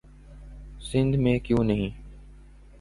سندھ میں کیوں نہیں؟